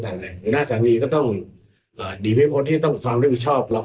และผู้ที่มีหน้าสายหนี้ก็ต้องดีไปเป็นคนที่ต้องกดความร่วมธุมีชาว